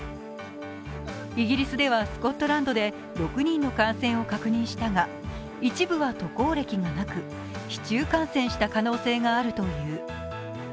イギリスではスコットランドで６人の感染を確認したが一部は渡航歴がなく、市中感染した可能性があるという。